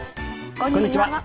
こんにちは。